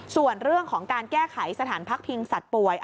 ส่วนเรื่องของการแก้ไขสถานพักพิงสัตว์ป่วย